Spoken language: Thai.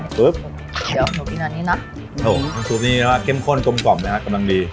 เดี๋ยวหนูกินอันนี้นะโอ้โหซูปนี้เนี่ยว่าเข้มข้นกลมกล่อมนะฮะกำลังดี